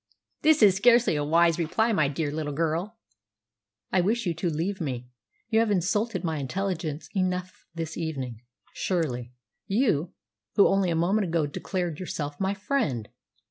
This is scarcely a wise reply, my dear little girl!" "I wish you to leave me. You have insulted my intelligence enough this evening, surely you, who only a moment ago declared yourself my friend!"